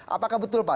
apakah betul pak